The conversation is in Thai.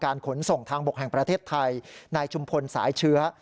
ขนส่งทางบกแห่งประเทศไทยนายชุมพลสายเชื้อ